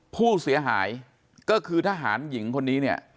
ผู้เสียหายก็คือทหารหญิงคนนี้เนี่ย